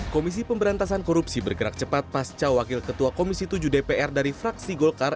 komisi pemberantasan korupsi bergerak cepat pasca wakil ketua komisi tujuh dpr dari fraksi golkar